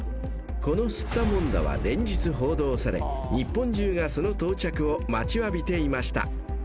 ［このすったもんだは連日報道され日本中がその到着を待ちわびていました］